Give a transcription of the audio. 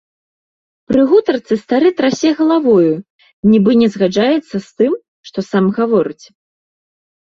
Пры гутарцы стары трасе галавою, нібы не згаджаецца з тым, што сам гаворыць.